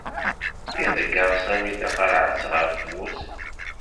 Iḍegger Sami taqerɛet ɣer tmurt.